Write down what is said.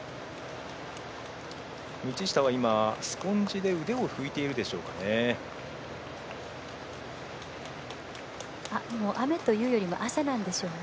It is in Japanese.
道下はスポンジで腕を拭いているでしょうか。